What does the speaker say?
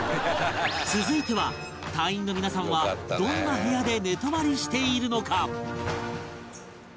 続いては隊員の皆さんはどんな部屋で寝泊まりしているのか？